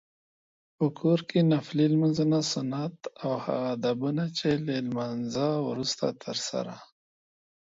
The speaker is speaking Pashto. په کور کې نفلي لمونځونه، سنت او هغه ادبونه چې له لمانځته وروسته ترسره